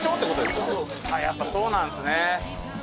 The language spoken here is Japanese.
やっぱそうなんですね。